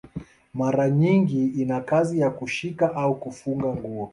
Mara nyingi ina kazi ya kushika au kufunga nguo.